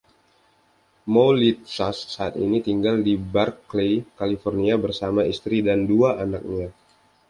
Moulitsas saat ini tinggal di Berkeley, California, bersama istri dan dua anaknya.